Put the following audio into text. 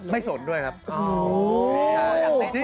ไม่ใช่